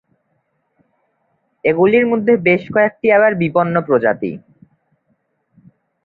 এগুলির মধ্যে বেশ কয়েকটি আবার বিপন্ন প্রজাতি।